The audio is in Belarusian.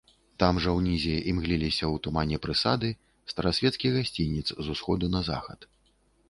Там жа ўнізе імгліліся ў тумане прысады, старасвецкі гасцінец з усходу на захад.